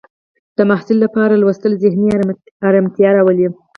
د محصل لپاره لوستل ذهني ارامتیا راولي.